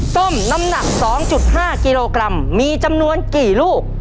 ส้มน้ำหนัก๒๕กิโลกรัมมีจำนวนกี่ลูก